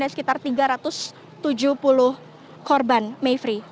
ada sekitar tiga ratus tujuh puluh korban mayfri